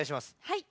はい。